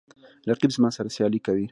رقیب زما سره سیالي کوي